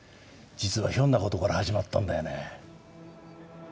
実はひょんなことから始まったんだよね。